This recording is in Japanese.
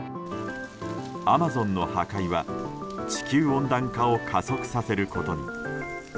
アマゾンの破壊は地球温暖化を加速させることに。